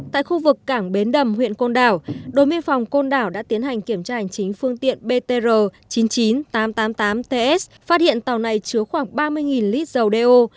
tại khu vực cảng bến đầm huyện côn đảo đồn biên phòng côn đảo đã tiến hành kiểm tra hành chính phương tiện btr chín mươi chín nghìn tám trăm tám mươi tám ts phát hiện tàu này chứa khoảng ba mươi lít dầu đeo